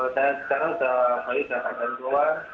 saya sekarang sudah balik ke tempat yang jauh